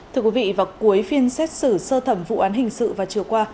thưa quý vị vào cuối phiên xét xử sơ thẩm vụ án hình sự và trừa qua